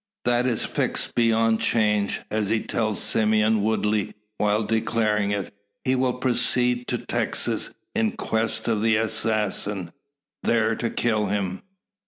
That is fixed beyond change, as he tells Simeon Woodley while declaring it. He will proceed to Texas in quest of the assassin there kill him.